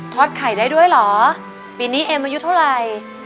ไข่ได้ด้วยเหรอปีนี้เอ็มอายุเท่าไหร่